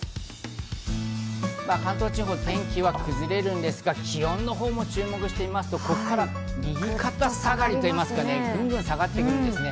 関東地方、天気は崩れるんですが、気温のほうも注目してみますと、ここから右肩下がり、グングン下がってくるんですね。